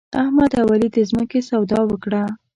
احمد او علي د ځمکې سودا وکړه.